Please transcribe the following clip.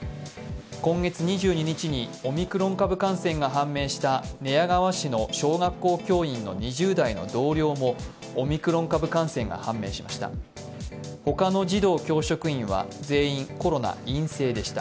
今月２２日にオミクロン株感染が判明した寝屋川市の小学校教員の２０代の同僚もオミクロン株感染が判明しました。